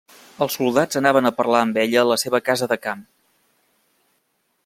Els soldats anaven a parlar amb ella a la seva casa de camp.